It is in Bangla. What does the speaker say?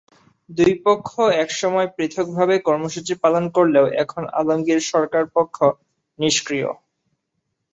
দুই পক্ষ একসময় পৃথকভাবে কর্মসূচি পালন করলেও এখন আলমগীর সরকার পক্ষ নিষ্ক্রিয়।